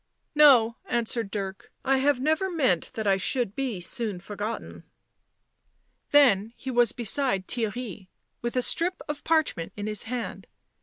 " No," answered Dirk. " I have never meant that I should soon be forgotten." Then he was beside Theirry, with a strip of parch ment in his hand.